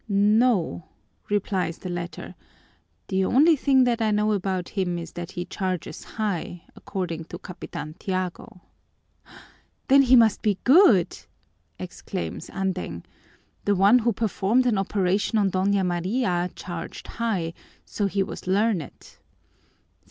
"No," replies the latter, "the only thing that I know about him is that he charges high, according to Capitan Tiago." "Then he must be good!" exclaims Andeng. "The one who performed an operation on Doña Maria charged high; so he was learned."